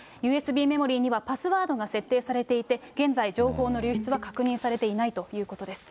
ＵＳＢメモリーには、パスワードが設定されていて、現在、情報の流出は確認されていないということです。